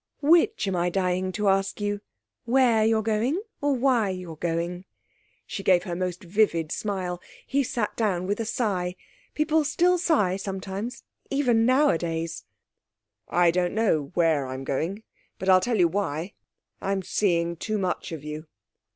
'Which am I dying to ask you: where you're going, or why you're going?' She gave her most vivid smile. He sat down with a sigh. People still sigh, sometimes, even nowadays. 'I don't know where I'm going; but I'll tell you why.... I'm seeing too much of you.'